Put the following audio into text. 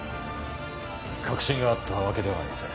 確信があったわけではありません